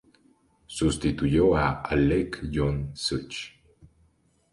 Sustituyó a Alec John Such.